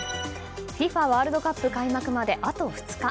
ワールドカップ開幕まであと２日。